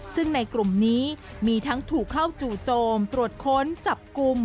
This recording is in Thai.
ซึ่งในกลุ่มนี้มีทั้งถูกเข้าจู่โจมตรวจค้นจับกลุ่ม